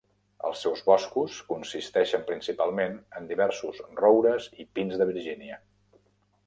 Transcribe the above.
Els seus boscos consisteixen principalment en diversos roures i pins de Virgínia.